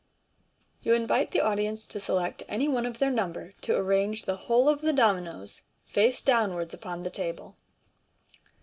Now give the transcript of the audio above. — You invite the audience to select any one of their number to arrange the whole of the dominoes face down wards upon the table.